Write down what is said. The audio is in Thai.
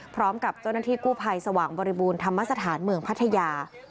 พร้อมกับเจ้าหน้าที่กู้ภัยสว่างบริบูรณ์ธรรมสถานเมืองพัทยา